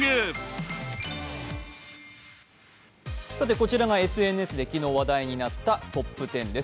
こちらがＳＮＳで昨日話題になったトップ１０です。